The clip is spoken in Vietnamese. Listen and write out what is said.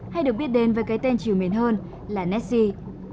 hay được biết đến với cái tên chiều miền hơn là nessie